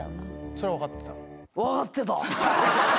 それは分かってた？